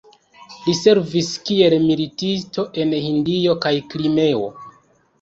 Li servis kiel militisto en Hindio kaj Krimeo.